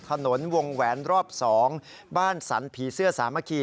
ถนนวงแหวนรอบ๒บ้านสรรผีเสื้อสามัคคี